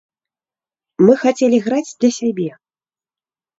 Мы хацелі граць для сябе.